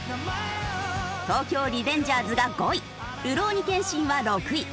『東京リベンジャーズ』が５位『るろうに剣心』は６位。